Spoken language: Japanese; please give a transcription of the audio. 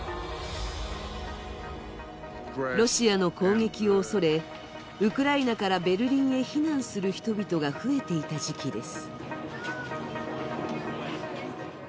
ロシアの攻撃を恐れ、ウクライナからベルリンへ避難する人々が増えていた時期です。